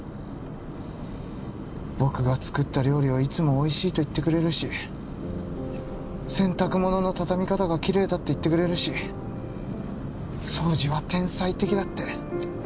僕が作った料理をいつもおいしいと言ってくれるし洗濯物の畳み方がきれいだって言ってくれるし掃除は天才的だって。